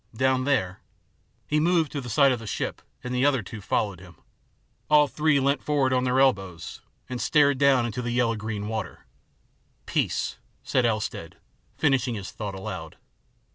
Down there " He moved to the side of the ship and the other two followed him. All three leant forward on their elbows and stared down into the yellow green water. " Peace" said Elstead, finishing his thought aloud.